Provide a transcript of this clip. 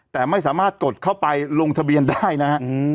แต่ไม่สามารถกดเข้าไปลงทะเบียนได้นะฮะ